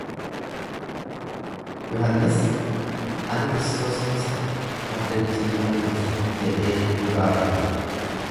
Yohannis, Ani Kristos isa abdachiifame miti jedhee dhugaa ba'e.